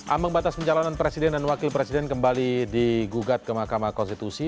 ambang batas pencalonan presiden dan wakil presiden kembali digugat ke mahkamah konstitusi